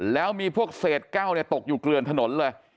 แล้วมีพวกเศษแก้วตกอยู่เกลือนถนนเลย